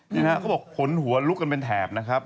เขาบอกขนหัวลุกกันเป็นแถบนะครับ